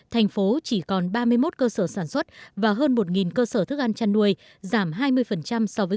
hai nghìn hai mươi thành phố chỉ còn ba mươi một cơ sở sản xuất và hơn một cơ sở thức ăn chăn nuôi giảm hai mươi so với